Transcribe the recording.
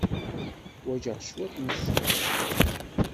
Ḥwajeɣ cwiṭ n sskeṛ.